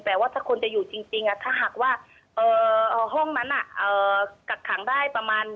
แต่ว่าถ้าคนจะอยู่จริงถ้าหากว่าห้องนั้นกักขังได้ประมาณ